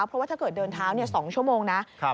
เพราะว่าถ้าเกิดเดินเท้า๒ชั่วโมงนะ